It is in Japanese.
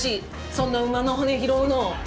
そんな馬の骨拾うの。